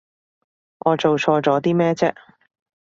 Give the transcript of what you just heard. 我做錯咗啲咩啫？